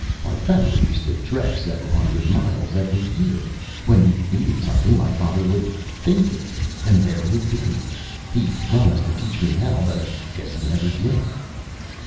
Our family used to trek several hundred miles every year. When we needed something, my father would think it, and there it'd be. He promised to teach me how, but I guess he never did."